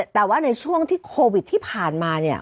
แต่ว่าในช่วงที่โควิดที่ผ่านมา